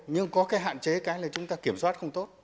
nhưng có cái hạn chế cái là chúng ta kiểm soát không tốt